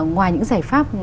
ngoài những giải pháp